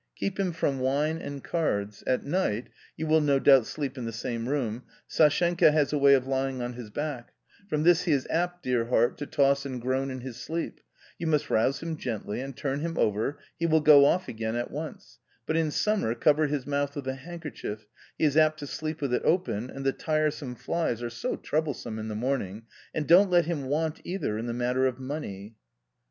Keep him from wine and cards. At night — you will no doubt sleep in the same room — Sashenka has a way of lying on his back ; from this he is apt, dear heart, to toss and groan in his sleep ; you must rouse him gently and turn him over, he will go off again at once; but in summer cover his mouth with a handkerchief, he is apt to sleep with it open and the tiresome flies are so trouble some in the morning ; and don't let him want, either, in the matter of money."